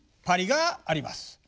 パリがあります。